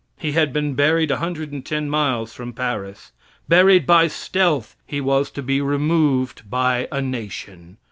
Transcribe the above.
He had been buried 110 miles from Paris. Buried by stealth he was to be removed by a nation.